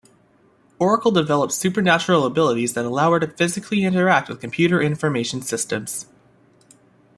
Oracle develops supernatural abilities that allow her to psychically interact with computer information systems.